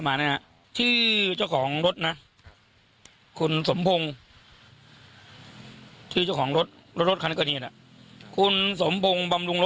ไม่ใช่ของแกเป็นรถของกลาง